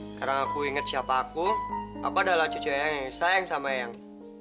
sekarang aku inget siapa aku apa adalah cucu ayang yang sayang sama ayang